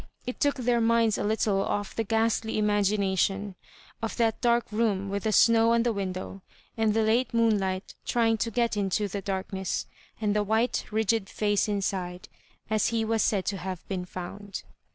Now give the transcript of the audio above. It took their minds a little off the ghastly imagina tion of that dark room with the snow on the window, and the late moonlight trying to get into the darkness, and the white rigid &^ inside, as he was said to have been found.